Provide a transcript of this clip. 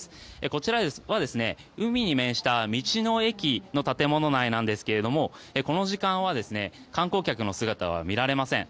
こちらは海に面した道の駅の建物内なんですがこの時間は観光客の姿は見られません。